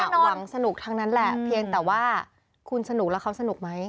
หวังสนุกทั้งนั้นแหละเพียงแต่ว่าคุณสนุกแล้วเขาสนุกไหม